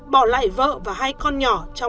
bỏ lại vợ và hai con nhỏ